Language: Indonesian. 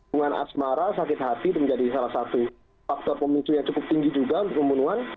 bunga asmara sakit hati menjadi salah satu faktor pemicu yang cukup tinggi juga pembunuhan